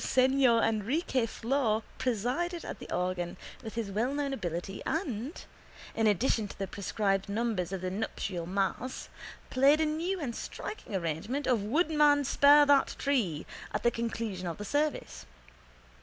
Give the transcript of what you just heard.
Senhor Enrique Flor presided at the organ with his wellknown ability and, in addition to the prescribed numbers of the nuptial mass, played a new and striking arrangement of Woodman, spare that tree at the conclusion of the service.